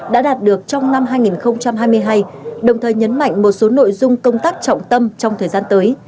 đã đạt được trong năm hai nghìn hai mươi hai đồng thời nhấn mạnh một số nội dung công tác trọng tâm trong thời gian tới